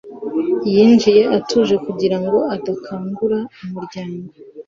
yinjiye atuje kugira ngo adakangura umuryango